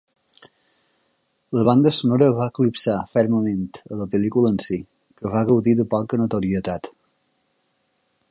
La banda sonora va eclipsar fermament a la pel·lícula en si, que va gaudir de poca notorietat.